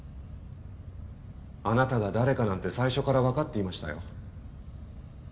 あなたが誰かなんて最初からわかっていましたよ。